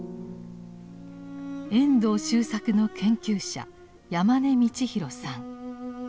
遠藤周作の研究者山根道公さん。